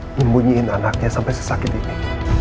menyembunyiin anaknya sampai sesakit ini